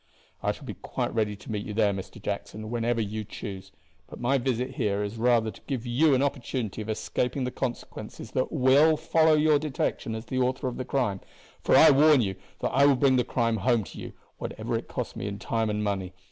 "I shall be quite ready to meet you there, Mr. Jackson, whenever you choose; but my visit here is rather to give you an opportunity of escaping the consequences that will follow your detection as the author of the crime; for I warn you that I will bring the crime home to you, whatever it costs me in time and money.